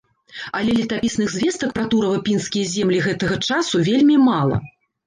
Але летапісных звестак пра турава-пінскія землі гэтага часу вельмі мала.